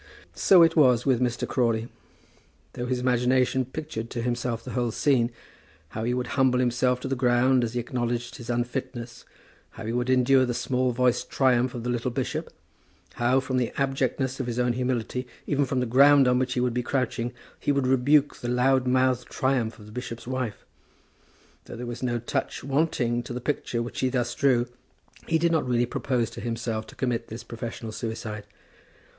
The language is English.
So it was with Mr. Crawley. Though his imagination pictured to himself the whole scene, how he would humble himself to the ground as he acknowledged his unfitness, how he would endure the small voiced triumph of the little bishop, how, from the abjectness of his own humility, even from the ground on which he would be crouching, he would rebuke the loud mouthed triumph of the bishop's wife; though there was no touch wanting to the picture which he thus drew, he did not really propose to himself to commit this professional suicide.